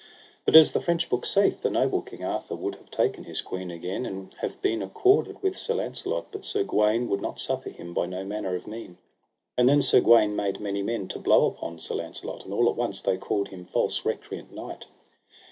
But as the French book saith, the noble King Arthur would have taken his queen again, and have been accorded with Sir Launcelot, but Sir Gawaine would not suffer him by no manner of mean. And then Sir Gawaine made many men to blow upon Sir Launcelot; and all at once they called him false recreant knight.